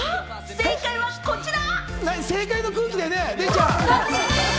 正解は、こちら。